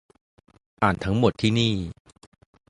อ่านทั้งหมดที่นี่